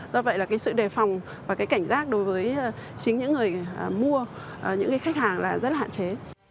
do vậy là sự đề phòng và cảnh giác đối với chính những người mua những khách hàng là rất là hạn chế